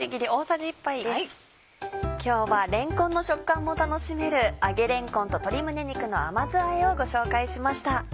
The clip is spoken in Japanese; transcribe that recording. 今日はれんこんの食感も楽しめる「揚げれんこんと鶏胸肉の甘酢あえ」をご紹介しました。